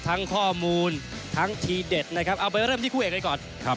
ทั้งข้อมูลทั้งทีเด็ดนะครับเอาไปเริ่มที่คู่เอกเลยก่อน